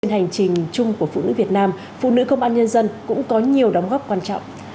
hành trình chung của phụ nữ việt nam phụ nữ công an nhân dân cũng có nhiều đóng góp quan trọng